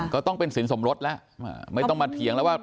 ก็ต้องเป็นสินสมรสแล้วไม่ต้องมาเถียงแล้วว่า